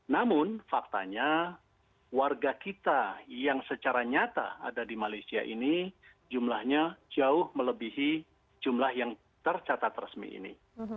namun faktanya warga kita yang secara nyata ada di malaysia ini jumlahnya jauh melebihi jumlah yang tercatat resmi ini